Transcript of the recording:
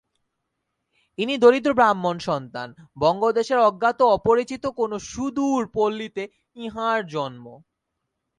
ইনি দরিদ্রব্রাহ্মণ-সন্তান, বঙ্গদেশের অজ্ঞাত অপরিচিত কোন সুদূর পল্লীতে ইঁহার জন্ম।